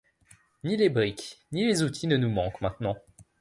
Ni les briques, ni les outils ne nous manquent maintenant